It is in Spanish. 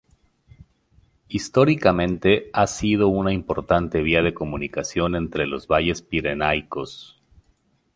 Históricamente ha sido una importante vía de comunicación entre los valles pirenaicos.